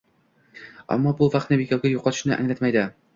Ammo bu vaqtni bekorga yo‘qotishni anglatmaydi